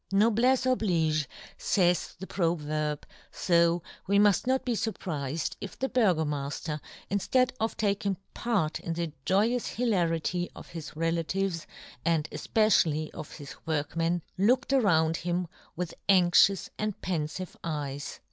*' NoblefTe oblige," fays the proverb, fo we muft not be furprifed if the Burgomafter, inftead of taking part in the joyous hilarity of his relatives, and efpecially of his workmen, look ed around him with anxious and penfive eyes.